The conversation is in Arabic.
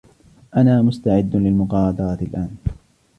أنا مستعد للمغادرة الآن.